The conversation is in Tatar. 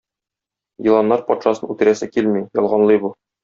Еланнар патшасын үтерәсе килми, ялганлый бу.